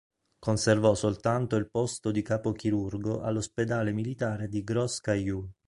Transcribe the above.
Conservò soltanto il posto di capo chirurgo all'ospedale militare di Gros-Caillou.